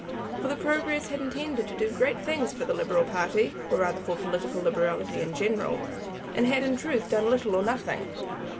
For the Progress had intended to do great things for the Liberal party, or rather for political liberality in general, and had in truth done little or nothing.